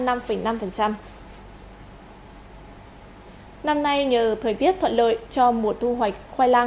năm nay nhờ thời tiết thuận lợi cho mùa thu hoạch khoai lang